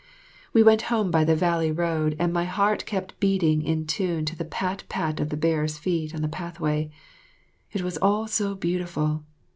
We went home by the valley road, and my heart kept beating in tune to the pat pat of the bearers' feet on the pathway. It was all so beautiful.